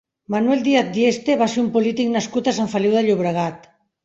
Manuel Díaz Dieste va ser un polític nascut a Sant Feliu de Llobregat.